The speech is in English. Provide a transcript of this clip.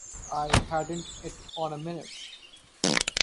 I hadn’t it on a minute.